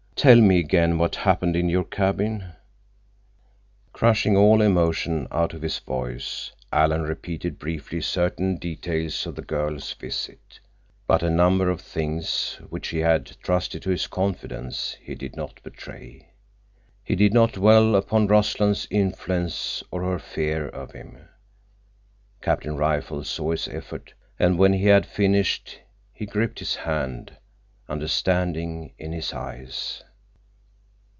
Tell me again what happened in your cabin." Crushing all emotion out of his voice, Alan repeated briefly certain details of the girl's visit. But a number of things which she had trusted to his confidence he did not betray. He did not dwell upon Rossland's influence or her fear of him. Captain Rifle saw his effort, and when he had finished, he gripped his hand, understanding in his eyes.